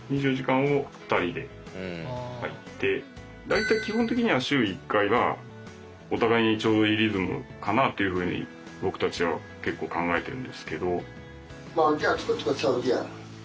大体基本的には週１回がお互いにちょうどいいリズムかなあというふうに僕たちは結構考えてるんですけど。